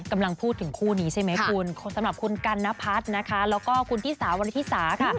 กำลังพูดถึงคู่นี้ใช่ไหมคุณสำหรับคุณกันนพัฒน์นะคะแล้วก็คุณธิสาวริธิสาค่ะ